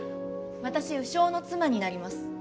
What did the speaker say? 私鵜匠の妻になります。